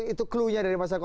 itu klunya dari mas eko